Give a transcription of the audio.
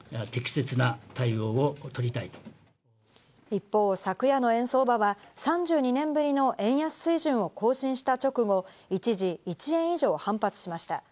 一方、昨夜の円相場は３２年ぶりの円安水準を更新した直後、一時１円以上、反発しました。